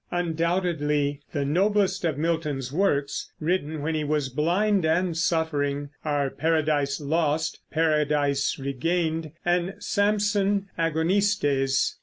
Undoubtedly the noblest of Milton's works, written when he was blind and suffering, are Paradise Lost, Paradise Regained, and Samson Agonistes.